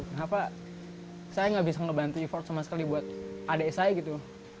kenapa saya nggak bisa ngebantu e ford sama sekali buat adik saya gitu